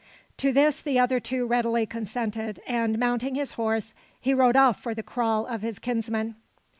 To this the other two readily consented; and, mounting his horse, he rode off for the kraal of his kinsman.